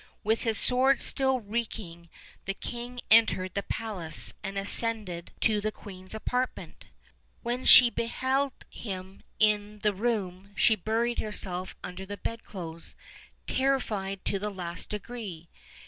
With his sword still reeking, the king entered the palace and ascended OLD, OLD FAIRY TALES. 227 to the queen's apartment. "When she beheld him in the room she buried herself under the bedclothes, terrified to the last degree.